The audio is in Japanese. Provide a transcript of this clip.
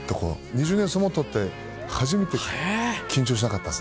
２０年相撲取って初めて緊張しなかったですね